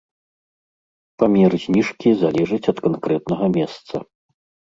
Памер зніжкі залежыць ад канкрэтнага месца.